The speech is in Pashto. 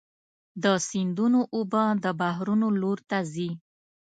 د سیندونو اوبه د بحرونو لور ته ځي.